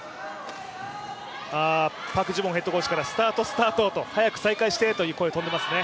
パク・ジュボンヘッドコーチからスタート、スタートと、早く再開してくれと声がありますね。